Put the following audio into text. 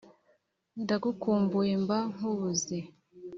Ndagukumbuye mba nkubuze